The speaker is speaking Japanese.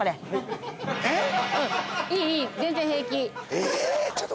えっ！？